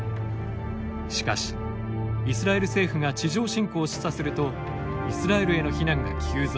しかし、イスラエル政府が地上侵攻を示唆するとイスラエルへの非難が急増。